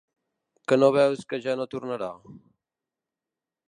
Que no veus que ja no tornarà?